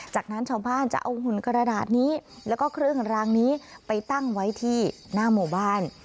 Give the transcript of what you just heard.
จากนั้นชาวบ้านจะเอาหุ่นกระดาษนี้แล้วก็เครื่องรางนี้ไปตั้งไว้ที่หน้าหมู่บ้าน